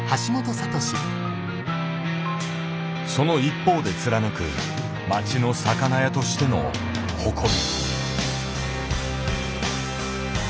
その一方で貫く町の魚屋としての誇り。